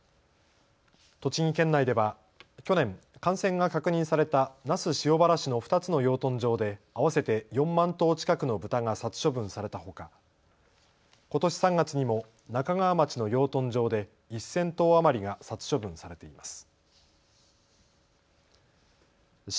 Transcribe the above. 栃木県内では去年、感染が確認された那須塩原市の２つの養豚場で合わせて４万頭近くのブタが殺処分されたほかことし３月にも那珂川町の養豚場で１０００頭余りが殺処分されています。